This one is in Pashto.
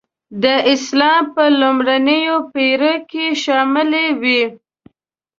د اسلام په لومړنیو پېړیو کې شاملي وې.